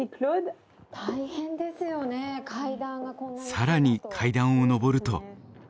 更に階段を上ると。